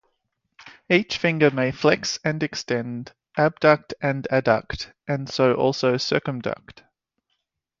Each finger may flex and extend, abduct and adduct, and so also circumduct.